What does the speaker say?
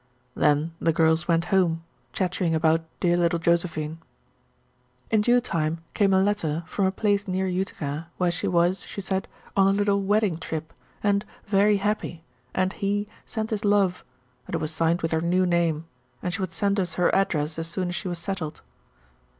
Then the girls went home chattering about "dear little Josephine." In due time came a letter from a place near Utica, where she was, she said, on her little "wedding trip," and "very happy," and "he" sent his love, and it was signed with her new name, and she would send us her address as soon as she was settled.